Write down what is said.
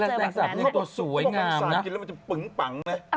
แล้วก็แมลงสาบนี้ตัวสวยงามนะ